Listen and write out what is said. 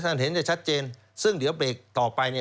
ท่านเห็นจะชัดเจนซึ่งเดี๋ยวเบรกต่อไป